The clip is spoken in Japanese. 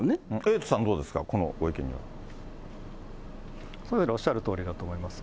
エイトさんどうですか、このご意見には。おっしゃるとおりだと思います。